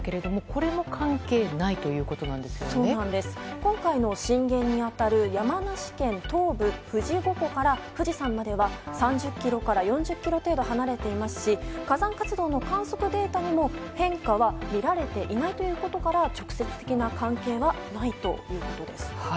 今回の震源に当たる山梨県東部の富士五湖から富士山までは３０ｋｍから４０ｋｍ程度離れていますし火山活動の観測データにも変化はみられていないということから直接的な関係はないということです。